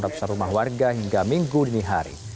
ratusan rumah warga hingga minggu dini hari